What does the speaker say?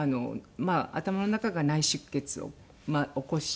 頭の中が内出血を起こしてて。